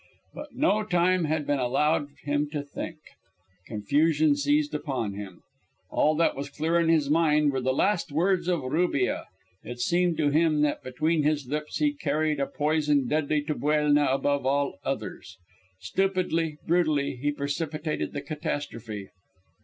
But no time had been allowed him to think. Confusion seized upon him. All that was clear in his mind were the last words of Rubia. It seemed to him that between his lips he carried a poison deadly to Buelna above all others. Stupidly, brutally he precipitated the catastrophe.